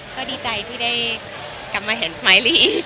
ก็ดีใจที่ได้กลับมาเห็นไมลี่